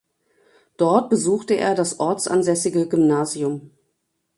Dort besuchte er das ortsansässige Gymnasium.